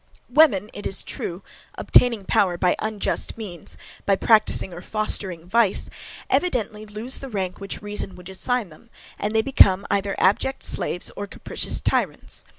Women, it is true, obtaining power by unjust means, by practising or fostering vice, evidently lose the rank which reason would assign them, and they become either abject slaves or capricious tyrants.